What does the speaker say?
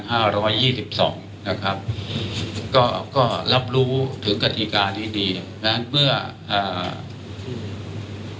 ร้อยยี่สิบสองนะครับก็ก็รับรู้ถึงกฎิกาดีดีนะเมื่ออ่า